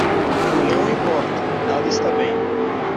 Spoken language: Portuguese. Não importa, nada está bem.